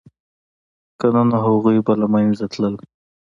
که نه نو هغوی به له منځه تلل